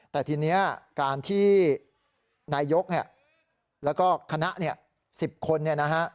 แต่ทีนี้การที่นายกแล้วก็คณะ๑๐คน